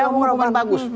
sebagai pemain bagus